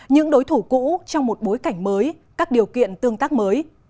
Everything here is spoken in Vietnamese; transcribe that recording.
những đối thủ cũ trong một bối cảnh mới các điều kiện tương tác mới